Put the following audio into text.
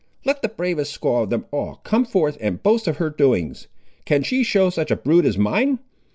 Let the bravest squaw of them all come forth and boast of her doings; can she show such a brood as mine?